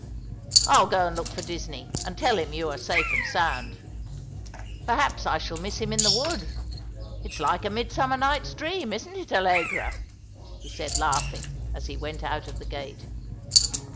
I'll go and look for Disney, and tell him you're safe and sound. Perhaps I shall miss him in the wood. It's like a Midsummer Night's Dream, isn't it, Allegra ?" he said, laughing, as he went out of the gate.